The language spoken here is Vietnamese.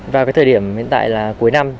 vào cái thời điểm hiện tại là cuối năm